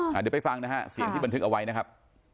เดี๋ยวไปฟังนะฮะเสียงที่บันทึกเอาไว้นะครับ